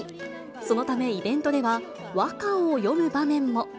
そのため、イベントでは、和歌を詠む場面も。